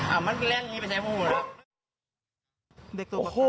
อ่ะมันแร่งมันใช้มูนะครับ